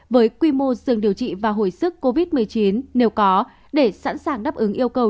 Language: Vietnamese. với quy mô dương điều trị và hồi sức covid một mươi chín nếu có để sẵn sàng đáp ứng yêu cầu